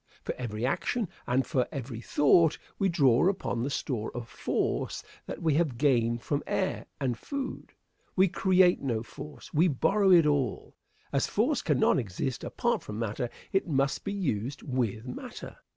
For every action and for every thought, we draw upon the store of force that we have gained from air and food. We create no force; we borrow it all. As force cannot exist apart from matter, it must be used with matter.